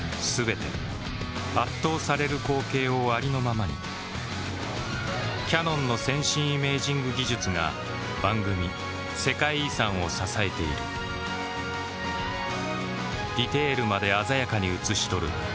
全て圧倒される光景をありのままにキヤノンの先進イメージング技術が番組「世界遺産」を支えているディテールまで鮮やかに映し撮る